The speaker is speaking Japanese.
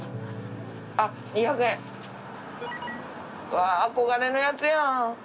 わ憧れのやつやん